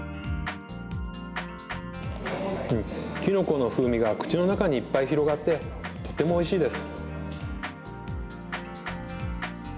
きのこの風味が口の中にいっぱい広がってとてもおいしいです。